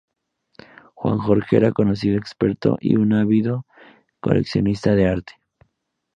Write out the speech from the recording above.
Juan Jorge era un conocido experto y un ávido coleccionista de arte.